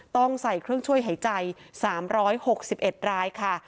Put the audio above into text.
ต้องใส่เครื่องช่วยหายใจ๓๖๑รายค่ะ